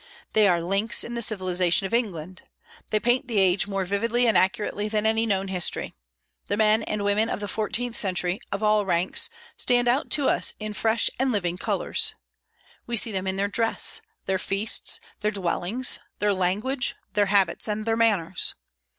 They are links in the civilization of England. They paint the age more vividly and accurately than any known history. The men and women of the fourteenth century, of all ranks, stand out to us in fresh and living colors. We see them in their dress, their feasts, their dwellings, their language, their habits, and their manners.